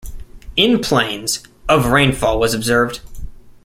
In Plains, of rainfall was observed.